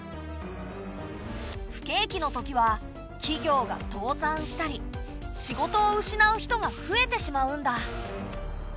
不景気のときは企業が倒産したり仕事を失う人が増えてしまうんだ。